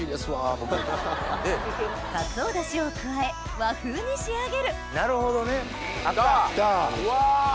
かつお出汁を加え和風に仕上げるなるほどね。わ。